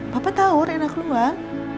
papa tau reina keluar